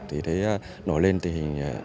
thì thấy nổi lên tình hình